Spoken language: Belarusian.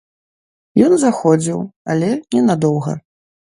Ён заходзіў, але ненадоўга.